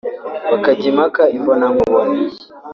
bakajya impaka imbonankubone